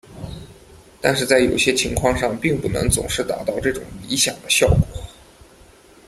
但是在有些情况上并不能总是达到这种理想的效果。